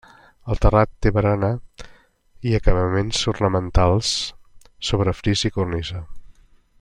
El terrat té barana i acabaments ornamentals, sobre fris i cornisa.